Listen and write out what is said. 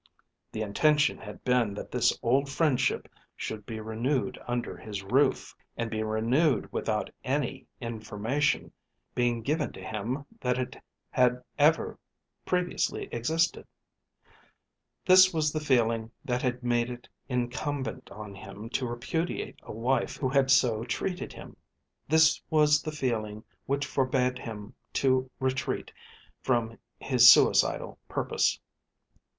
The intention had been that this old friendship should be renewed under his roof, and be renewed without any information being given to him that it had ever previously existed. This was the feeling that had made it incumbent on him to repudiate a wife who had so treated him. This was the feeling which forbad him to retreat from his suicidal purpose.